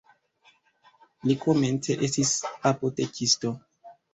Li komence estis apotekisto.